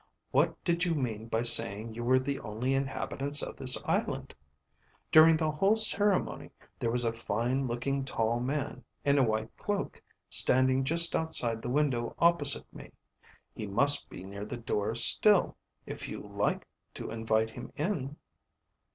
What did you mean by saying you were the only inhabitants of this island? During the whole ceremony there was a fine looking tall man, in a white cloak, standing just outside the window opposite me. He must be near the door still, if you like to invite him in."